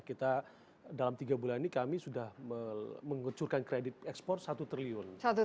kita dalam tiga bulan ini kami sudah mengucurkan kredit ekspor satu triliun